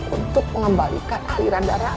untuk mengembalikan aliran darahmu